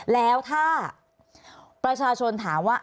แล้วถ้าประชาชนถามว่า